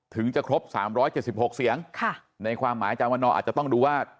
ถึงจะครบ๓๗๖เสียงในความหมายอาจารย์วันนอร์อาจจะต้องดูว่า